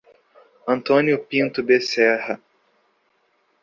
Antônio Pinto Beserra